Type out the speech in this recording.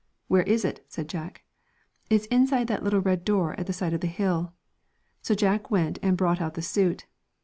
'Where is it?' said Jack. ' It's inside that little red door at the side of the hill.' So Jack went and brought out the suit.